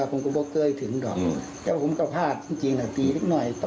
ขอโพสต์เถอะทุกขอบคุณเถอะขอบพรรภ์หลายเถอะ